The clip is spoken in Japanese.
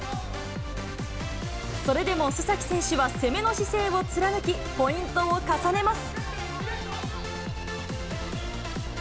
それでも須崎選手は攻めの姿勢を貫き、ポイントを重ねます。